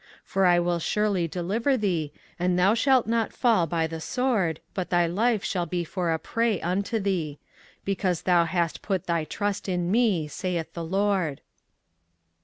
24:039:018 For I will surely deliver thee, and thou shalt not fall by the sword, but thy life shall be for a prey unto thee: because thou hast put thy trust in me, saith the LORD.